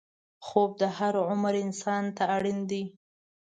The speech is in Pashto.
خوب د هر عمر انسان ته اړین دی